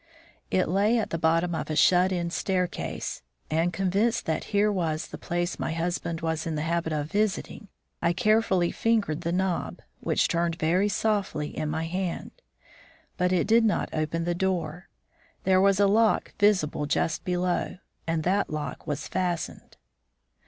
It lay at the bottom of a shut in stair case, and, convinced that here was, the place my husband was in the habit of visiting, I carefully fingered the knob, which turned very softly in my hand. But it did not open the door. There was a lock visible just below, and that lock was fastened.